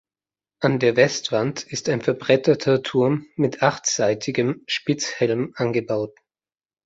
An der Westwand ist ein verbretterter Turm mit achtseitigem Spitzhelm angebaut.